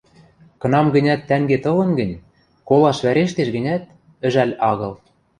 — Кынам-гӹнят тӓнгет ылын гӹнь, колаш вӓрештеш гӹнят, ӹжӓл агыл.